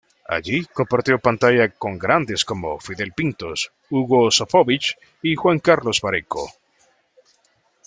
Allí compartió pantalla con grandes como Fidel Pintos, Hugo Sofovich y Juan Carlos Mareco.